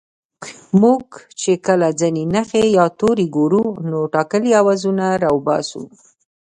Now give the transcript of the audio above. موږ چې کله ځينې نښې يا توري گورو نو ټاکلي آوازونه راوباسو